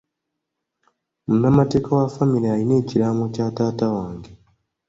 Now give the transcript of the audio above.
Munnamateeka wa famire alina ekiraamo kya taata wange.